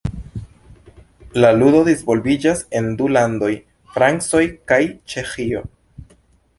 La ludo disvolviĝas en du landoj: Francio kaj Ĉeĥio.